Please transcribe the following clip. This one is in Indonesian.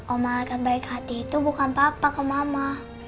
oma akan baik hati itu bukan papa ke mama